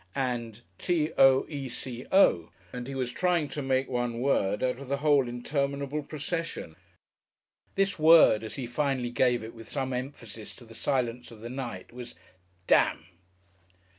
K. P. S. and T. O. E. C. O., and he was trying to make one word out of the whole interminable procession.... This word, as he finally gave it with some emphasis to the silence of the night, was _"Demn!"